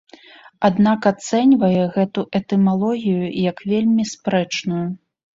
Аднак ацэньвае гэту этымалогію як вельмі спрэчную.